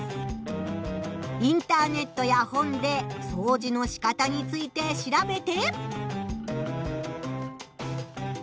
インターネットや本でそうじのしかたについて調べて。